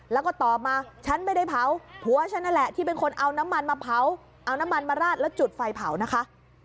แล้วก็ตอบมาฉันไม่ได้เผาผัวฉันนั่นแหละที่เป็นคนเอาน้ำมันมาเผาเอาน้ำมันมาราดแล้วจุดไฟเผานะคะ